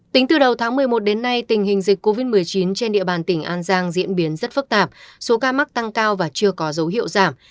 tính từ đầu tháng một mươi một đến nay tình hình dịch covid một mươi chín trên địa bàn tỉnh an giang diễn biến rất phức tạp số ca mắc tăng cao và chưa có dấu hiệu giảm